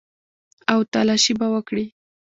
او تلاشي به وکړي.